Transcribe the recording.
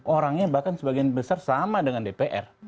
orangnya bahkan sebagian besar sama dengan dpr